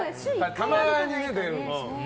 たまに出るんですけどね。